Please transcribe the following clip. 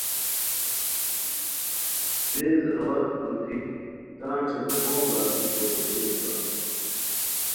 تیز او ا روپھی تان ݯھیترو پونگہ التی تو دوسی استام